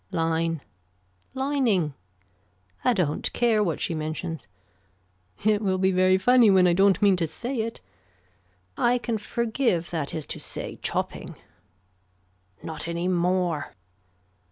Line. Lining. I don't care what she mentions. It will be very funny when I don't mean to say it. I can forgive that is to say chopping. Not any more.